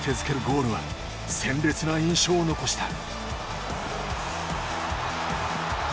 ゴールは鮮烈な印象を残した。